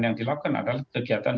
yang dilakukan adalah kegiatan